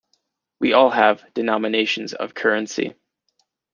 We have all denominations of currency.